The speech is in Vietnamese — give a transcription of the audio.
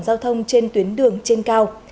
giao thông trên tuyến đường trên cao